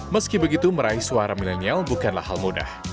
meski begitu meraih suara milenial bukanlah hal mudah